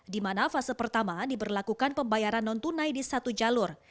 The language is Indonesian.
di mana fase pertama diberlakukan pembayaran non tunai di satu jalur